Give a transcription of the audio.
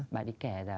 bạn ấy kể là